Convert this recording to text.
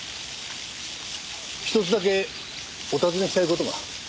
１つだけお尋ねしたい事が。は？